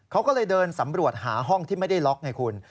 เขาก็เลยเดินสำรวจหาห้องที่ไม่ได้ล็อกไงคุณ